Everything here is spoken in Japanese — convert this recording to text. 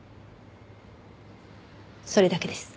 それだけです。